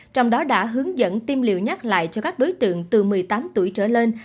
trong đó đã hướng dẫn tiêm liều nhắc lại cho các đối tượng từ một mươi tám tuổi trở lên